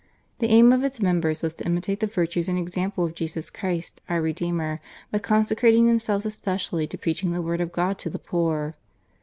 The aim of its members was to imitate the virtues and example of Jesus Christ, our Redeemer, by consecrating themselves especially to preaching the word of God to the poor.